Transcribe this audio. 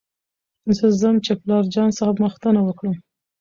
زه ځم چې پلار جان څخه پوښتنه وکړم .